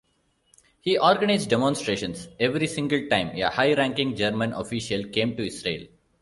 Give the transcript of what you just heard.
He organized demonstrations every single time a high-ranking German official came to Israel.